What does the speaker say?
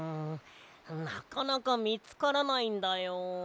なかなかみつからないんだよ。